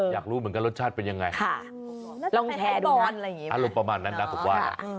อยากรู้เหมือนกันรสชาติเป็นยังไงค่ะลองแท้ดูนะลองประมาณนั้นนะ